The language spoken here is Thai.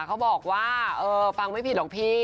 เขาบอกว่าเออฟังไม่ผิดหรอกพี่